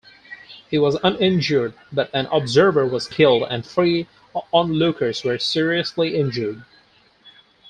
He was uninjured but an observer was killed and three onlookers were seriously injured.